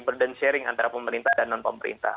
burden sharing antara pemerintah dan non pemerintah